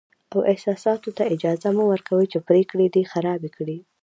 او احساساتو ته اجازه مه ورکوه چې پرېکړې دې خرابې کړي.